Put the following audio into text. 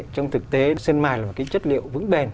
trong thực tế sân mài là một cái chất liệu vững bền